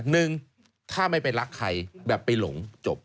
หนึ่งถ้าไม่ไปรักใครแบบไปหลงจบ